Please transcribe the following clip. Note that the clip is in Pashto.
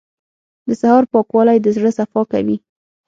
• د سهار پاکوالی د زړه صفا کوي.